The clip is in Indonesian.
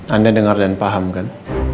anda dengar dan paham kan